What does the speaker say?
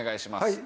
はい。